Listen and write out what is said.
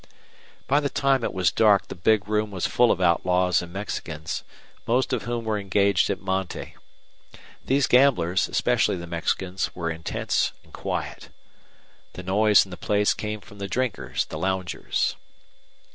By the time it was dark the big room was full of outlaws and Mexicans, most of whom were engaged at monte. These gamblers, especially the Mexicans, were intense and quiet. The noise in the place came from the drinkers, the loungers.